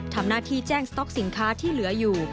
ทำหน้าที่แจ้งสต๊อกสินค้าที่เหลืออยู่